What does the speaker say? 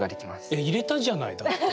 いや入れたじゃないだって。